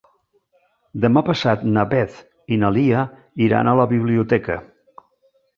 Demà passat na Beth i na Lia iran a la biblioteca.